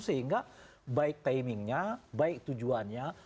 sehingga baik timingnya baik tujuannya